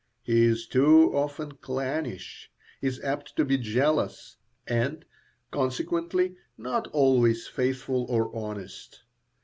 He is too often clannish, is apt to be jealous, and consequently not always faithful or honest.